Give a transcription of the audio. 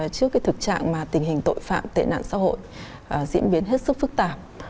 trước thực trạng mà tình hình tội phạm tệ nạn xã hội diễn biến hết sức phức tạp